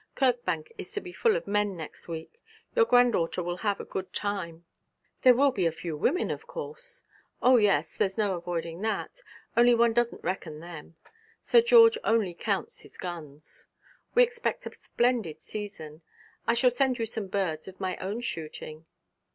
Kirkbank is to be full of men next week. Your granddaughter will have a good time.' 'There will be a few women, of course?' 'Oh, yes, there's no avoiding that; only one doesn't reckon them. Sir George only counts his guns. We expect a splendid season. I shall send you some birds of my own shooting.'